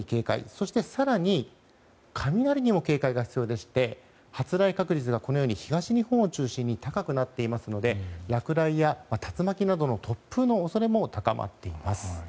そして、更に雷にも警戒が必要でして発雷確率が東日本を中心に高くなっていますので落雷や竜巻などの突風の恐れも高まっています。